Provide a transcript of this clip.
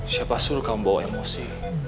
siapa suruh kamu bawa emosi